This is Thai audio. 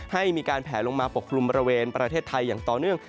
ให้มีการแผลลงมาปกคลุมบริเวณประเทศไทยอย่างต่อเนื่อง